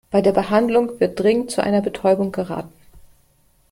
Bei der Behandlung wird dringend zu einer Betäubung geraten.